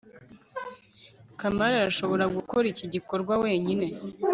kamari arashobora gukora iki gikorwa wenyine